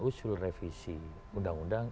usul revisi undang undang